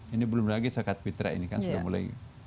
ini belum lagi zakat fitrah ini kan sudah mulai